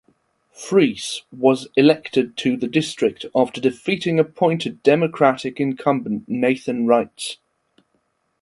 Friess was elected to the district after defeating appointed Democratic incumbent Nathan Reitz.